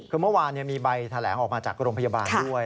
คือเมื่อวานมีใบแถลงออกมาจากโรงพยาบาลด้วย